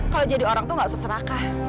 kalau jadi orang tuh gak seserakah